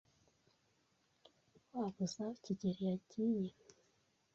Waba uzi aho kigeli yagiye?